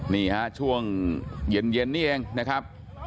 นี่ฮะช่วงเย็นนี่เองนะครับ